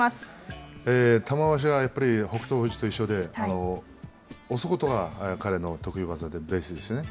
玉鷲はやっぱり北勝富士と一緒で押すことが彼の得意技でベースですよね。